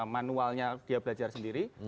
manualnya dia belajar sendiri